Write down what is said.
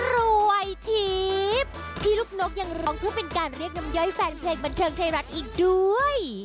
ทิพย์พี่ลูกนกยังร้องเพื่อเป็นการเรียกน้ำย่อยแฟนเพลงบันเทิงไทยรัฐอีกด้วย